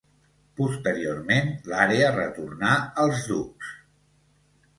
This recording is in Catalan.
Posteriorment l'àrea retornà als ducs.